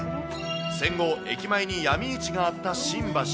戦後、駅前に闇市があった新橋。